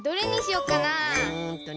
うんとね。